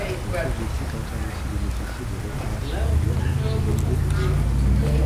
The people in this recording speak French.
Les Soviétiques entendent aussi bénéficier de réparations de guerre les plus élevées possibles.